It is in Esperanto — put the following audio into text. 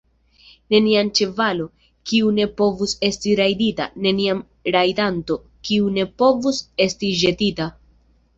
Neniam ĉevalo, kiu ne povus esti rajdita; neniam rajdanto, kiu ne povus esti ĵetita.